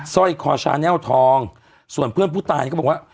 ซ่อยคอชาแน่วทองส่วนเพื่อนผู้ตายเนี่ยก็บอกว่า